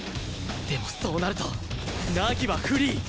でもそうなると凪はフリー